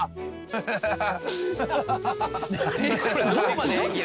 ハハハハ！